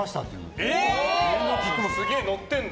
すげえ、乗ってるんだ。